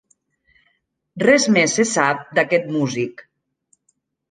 Res més se sap d'aquest músic.